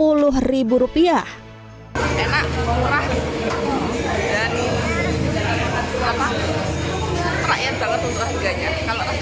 enak murah dan terak ya kalau rasanya si enak